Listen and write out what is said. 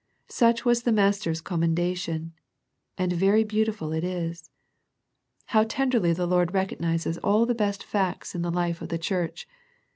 Such was the Mas ter's commendation, and very beautiful it is. How tenderly the Lord recognizes all the best The Thyatira Letter 1 17 facts in the life of the church.